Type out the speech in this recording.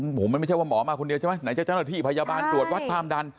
โอ้โหมันไม่ใช่ว่าหมอมาคนเดียวใช่ไหมไหนจะเจ้าหน้าที่พยาบาลตรวจวัดความดัน